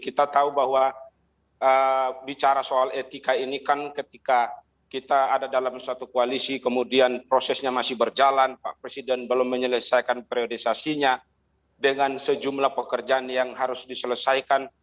kita tahu bahwa bicara soal etika ini kan ketika kita ada dalam suatu koalisi kemudian prosesnya masih berjalan pak presiden belum menyelesaikan priorisasinya dengan sejumlah pekerjaan yang harus diselesaikan